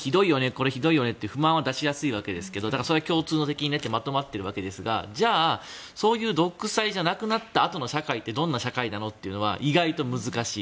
これひどいよねって不満は出しやすいわけですがそれは共通の敵に対してまとまってるわけですがじゃあそういう独裁じゃなくなったあとの社会ってどんな社会なのっていうのは意外と難しい。